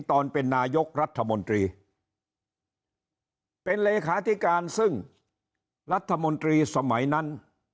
ตอนเป็นนายกรัฐมนตรีเป็นเลขาธิการซึ่งรัฐมนตรีสมัยนั้น